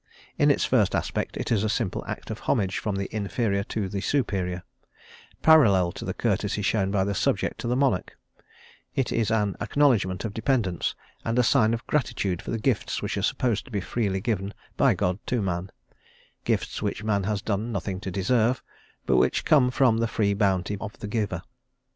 In its first aspect, it is a simple act of homage from the inferior to the superior, parallel to the courtesy shown by the subject to the monarch; it is an acknowledgment of dependence, and a sign of gratitude for the gifts which are supposed to be freely given by God to man gifts which man has done nothing to deserve, but which come from the free bounty of the giver.